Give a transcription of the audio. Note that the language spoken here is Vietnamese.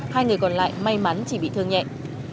hai người còn lại may mắn chỉ bị thương nhẹ